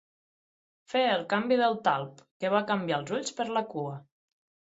Fer el canvi del talp, que va canviar els ulls per la cua.